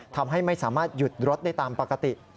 ทำให้ไม่สามารถหยุดรถได้ตามปกติ